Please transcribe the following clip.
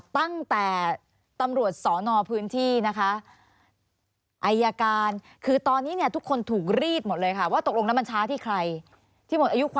ตั้งแต่ตำรวจสอนอพื้นที่นะคะ